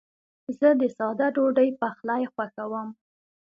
زه د ساده ډوډۍ پخلی خوښوم.